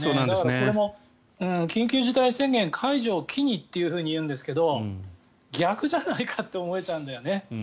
これも緊急事態宣言解除を機にというんですけど逆じゃないかって思えちゃうんだよね。